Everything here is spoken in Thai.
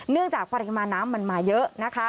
จากปริมาณน้ำมันมาเยอะนะคะ